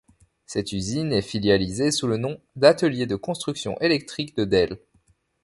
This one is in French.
Cette usine est filialisée sous le nom d’Ateliers de constructions électriques de Delle.